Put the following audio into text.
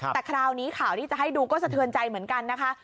แต่คราวนี้ข่าวที่จะให้ดูก็สะเทือนใจเหมือนกันนะคะ